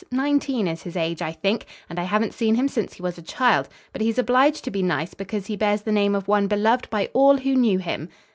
Nineteen is his age, I think, and I haven't seen him since he was a child; but he's obliged to be nice because he bears the name of one beloved by all who knew him."